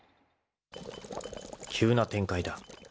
［急な展開だ］